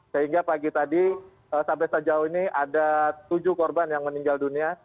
sehingga pagi tadi sampai sejauh ini ada tujuh korban yang meninggal dunia